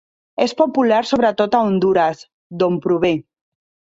És popular sobretot a Hondures, d'on prové.